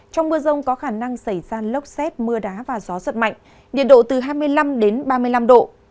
trong mưa rông có khả năng xảy ra lốc xét mưa đá và gió giật mạnh nhiệt độ từ hai mươi năm đến ba mươi năm độ